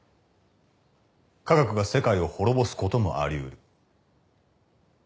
科学が世界を滅ぼすこともあり得る。